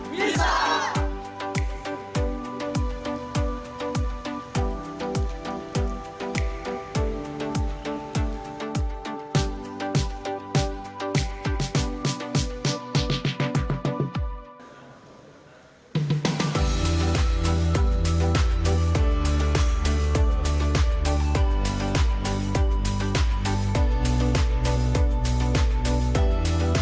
jnn indonesia bisa